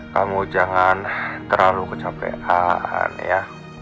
kamu jangan terlalu kecapean ya